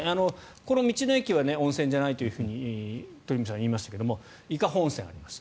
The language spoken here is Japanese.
この道の駅は温泉じゃないと鳥海さんが言いましたが伊香保温泉があります。